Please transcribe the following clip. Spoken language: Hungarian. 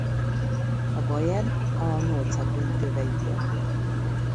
A Bayern a nyolcaddöntőbe jutott.